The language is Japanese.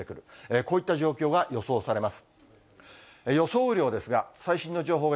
こういった状況が予想されます。